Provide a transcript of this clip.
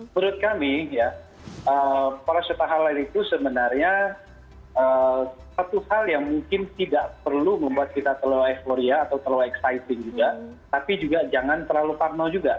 menurut kami ya paraceta halal itu sebenarnya satu hal yang mungkin tidak perlu membuat kita terlalu euforia atau terlalu exciting juga tapi juga jangan terlalu parno juga